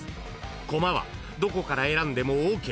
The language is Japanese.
［コマはどこから選んでもＯＫ］